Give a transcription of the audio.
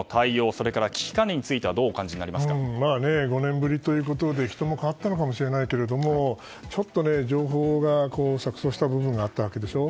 それから危機管理については５年ぶりということで人も変わったのかもしれないけどちょっと情報が錯綜した部分があったわけでしょ。